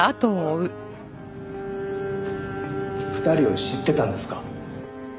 ２人を知ってたんですか？